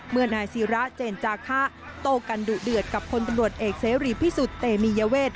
นายศิระเจนจาคะโตกันดุเดือดกับคนตำรวจเอกเสรีพิสุทธิ์เตมียเวท